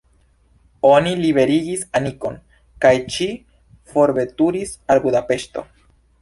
Oni liberigis Anikon, kaj ŝi forveturis al Budapeŝto.